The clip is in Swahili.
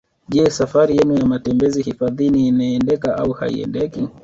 Je safari yenu ya matembezi hifadhini inaendeka au haiendeki